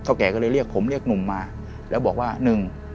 แก่ก็เลยเรียกผมเรียกหนุ่มมาแล้วบอกว่าหนึ่ง